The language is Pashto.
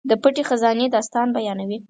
د پټې خزانې داستان بیانوي.